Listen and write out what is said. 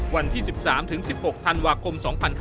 วันที่๑๓๑๖ธันวาคม๒๕๕๙